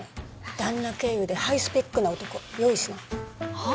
旦那経由でハイスペックな男用意しなはっ？